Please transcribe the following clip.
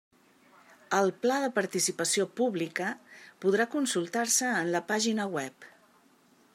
El pla de participació pública podrà consultar-se en la pàgina web.